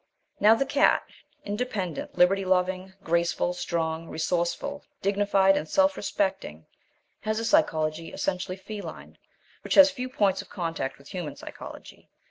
Now the cat, independent, liberty loving, graceful, strong, resourceful, dignified, and self respecting, has a psychology essentially feline, which has few points of contact with human psychology.